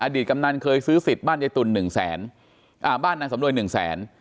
ตกำนันเคยซื้อสิทธิ์บ้านยายตุ่นหนึ่งแสนอ่าบ้านนางสำรวยหนึ่งแสน